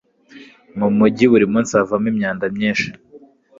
mu mujyi, buri munsi havamo imyanda myinshi